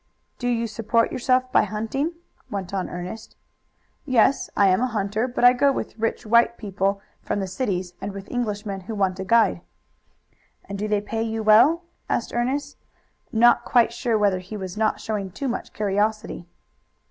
"Do you support yourself by hunting?" went on Ernest. "Yes, I am a hunter, but I go with rich white people from the cities and with Englishmen who want a guide." "And do they pay you well?" asked Ernest, not quite sure whether he was not showing too much curiosity.